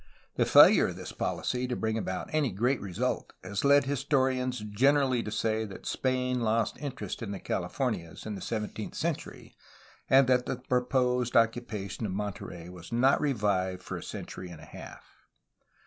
The failure of this poHcy to bring about any great result has led his torians generally to say that Spain lost interest in the Calif ornias in the seventeenth century and that the proposed occupation of Monterey was not revived for a century and a half.